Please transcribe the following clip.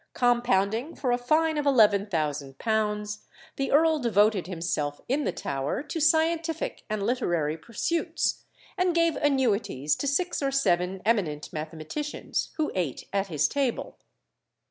Compounding for a fine of £11,000, the earl devoted himself in the Tower to scientific and literary pursuits, and gave annuities to six or seven eminent mathematicians, who ate at his table.